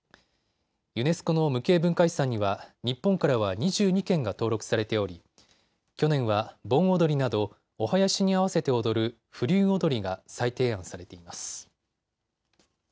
ユネスコの無形文化遺産には日本からは２２件が登録されており去年は盆踊りなどお囃子に合わせて踊る風流踊が再提案されています。